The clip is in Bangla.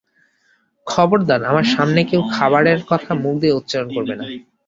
খবরদার, আমার সামনে কেউ খাবারের কথা মুখ দিয়ে উচ্চারণ করবে না।